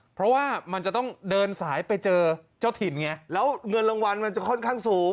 เพราะว่ามันจะต้องเดินสายไปเจอเจ้าถิ่นไงแล้วเงินรางวัลมันจะค่อนข้างสูง